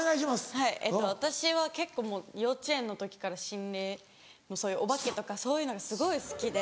はい私は結構もう幼稚園の時から心霊のそういうお化けとかそういうのがすごい好きで。